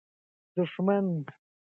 دښمن ته به ماته ورغلې وه.